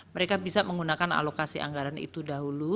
mereka bisa menggunakan alokasi anggaran itu dahulu